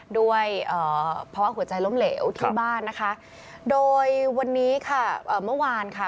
ด้วยภาวะหัวใจล้มเหลวที่บ้านนะคะโดยวันนี้ค่ะเมื่อวานค่ะ